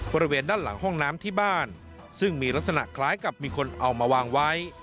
บริเวณด้านหลังห้องน้ำที่บ้านซึ่งมีลักษณะคล้ายกับมีคนเอามาวางไว้